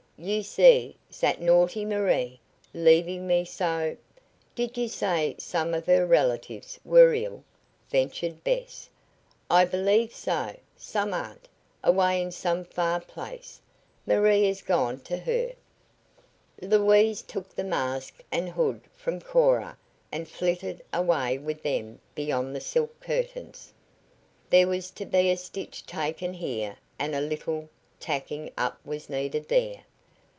"You see, zat naughty Marie, leaving me so " "Did you say some of her relatives were ill?" ventured Bess. "I believe so. Some aunt, away in some far place. Marie is gone to her." Louise took the mask and hood from Cora and flitted away with them beyond the silk curtains. There was to be a stitch taken here, and a little, tacking up was needed there.